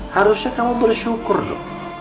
harusnya kamu bersyukur lho